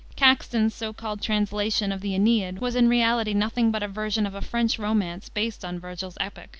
Caxton's so called translation of the Aeneid was in reality nothing but a version of a French romance based on Vergil's epic.